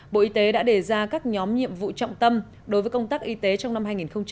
bộ y tế đã đề ra các nhóm nhiệm vụ trọng tâm đối với công tác y tế trong năm hai nghìn hai mươi